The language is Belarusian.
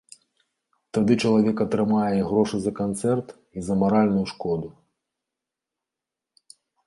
Тады чалавек атрымае і грошы за канцэрт, і за маральную шкоду.